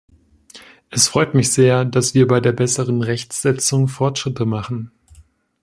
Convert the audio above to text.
Es freut mich sehr, dass wir bei der besseren Rechtsetzung Fortschritte machen.